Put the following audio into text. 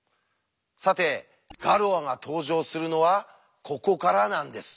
さてガロアが登場するのはここからなんです。